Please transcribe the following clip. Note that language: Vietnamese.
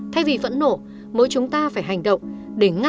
thay vì phẫn nộ mỗi chúng ta phải hành động